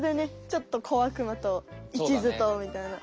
ちょっとこあくまといちずとみたいな。